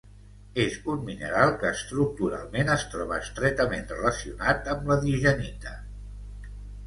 És un mineral que estructuralment es troba estretament relacionat amb la digenita.